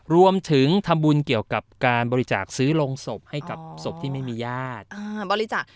รวมถึงทำบุญเกี่ยวกับการบริจาคซื้อโรงศพให้กับศพที่ไม่มีญาติบริจาค